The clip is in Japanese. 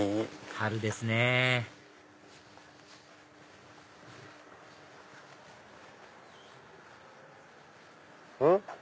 春ですねうん？